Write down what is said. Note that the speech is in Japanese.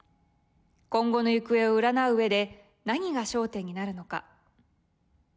今後の行方を占ううえで何が焦点になるのか。